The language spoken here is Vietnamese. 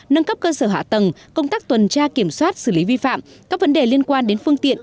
nâng cấp cơ sở hạ tầng công tác tuần tra kiểm soát xử lý vi phạm các vấn đề liên quan đến phương tiện